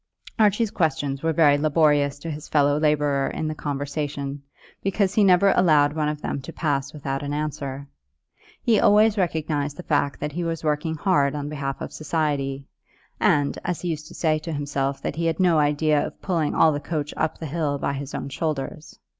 Archie's questions were very laborious to his fellow labourer in his conversation because he never allowed one of them to pass without an answer. He always recognized the fact that he was working hard on behalf of society, and, as he used to say himself, that he had no idea of pulling all the coach up the hill by his own shoulders.